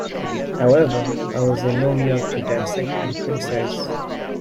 However, I was in no mood to dissect and criticize.